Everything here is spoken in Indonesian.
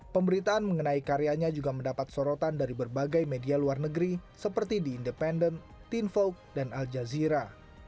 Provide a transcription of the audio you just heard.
pemberitaan mengenai karyanya juga mendapat sorotan dari berbagai media luar negeri seperti the independent teen vogue dan al jazeera